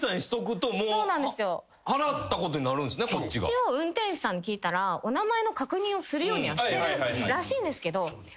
一応運転手さんに聞いたらお名前の確認をするようにはしてるらしいんですけど。